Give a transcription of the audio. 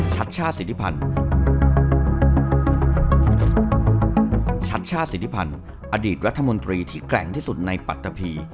ชาติสิทธิพันธ์ชัดชาติสิทธิพันธ์อดีตรัฐมนตรีที่แกร่งที่สุดในปัตตะพี